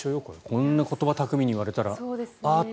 こんな言葉巧みに言われたらあっ！